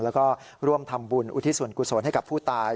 แล้วก็ร่วมทำบุญอุทิศส่วนกุศลให้กับผู้ตาย